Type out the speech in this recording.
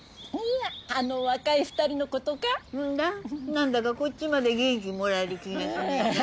何だかこっちまで元気もらえる気がしねえか？